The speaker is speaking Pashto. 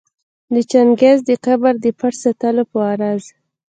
د چنګیز د قبر د پټ ساتلو په غرض